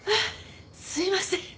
すいません